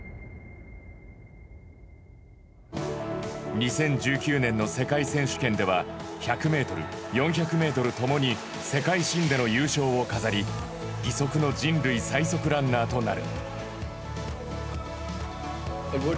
２０１９年の世界選手権では１００ｍ、４００ｍともに世界新での優勝を飾り義足の人類最速ランナーとなる。